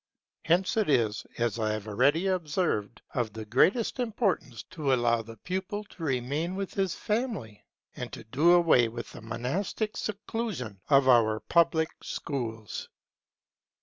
Hence it is, as I have already observed, of the greatest importance to allow the pupil to remain with his family, and to do away with the monastic seclusion of our public schools.